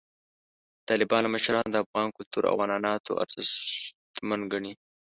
د طالبانو مشران د افغان کلتور او عنعناتو ارزښتمن ګڼي.